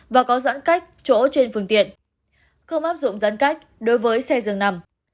và có giãn cách chỗ trên phương tiện không áp dụng giãn cách đối với xe dường nằm